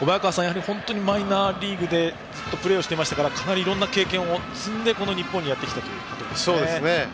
本当にマイナーリーグでずっとプレーをしていましたからかなりいろいろな経験を積んでこの日本にやってきたということですね。